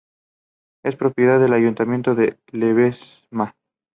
Es propiedad del Ayuntamiento de Ledesma.